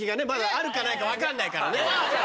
あるかないか分かんないからね。